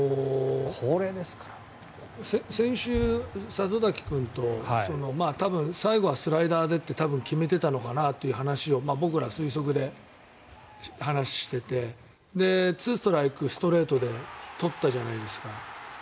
先週、里崎君と最後はスライダーでって多分決めていたのかなという話を僕らは推測で話をしていて２ストライク、ストレートで取ったじゃないですか。